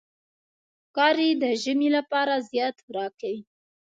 ښکاري د ژمي لپاره زیات خوراک کوي.